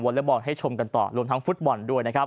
วอลเลนส์บอลด์ให้ชมกันต่อรวมทั้งฟุตบอลด์ด้วยนะครับ